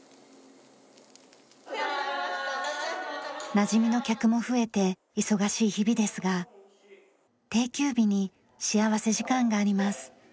なじみの客も増えて忙しい日々ですが定休日に幸福時間があります。